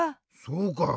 そうか。